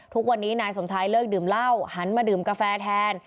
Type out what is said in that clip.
ทุกวันนี้นายสมชายเลิกดื่มเหล้าหันมาดื่มกาแฟแทน